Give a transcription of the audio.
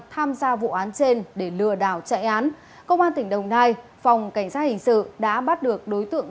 tham gia vụ án trên để lừa đảo chạy án công an tỉnh đồng nai phòng cảnh sát hình sự đã bắt được đối tượng